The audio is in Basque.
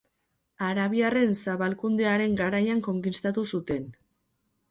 Arabiarren zabalkundearen garaian konkistatu zuten.